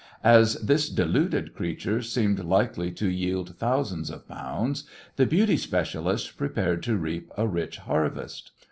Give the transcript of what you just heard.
As this deluded creature seemed likely to yield thousands of pounds, the "beauty specialist" prepared to reap a rich harvest.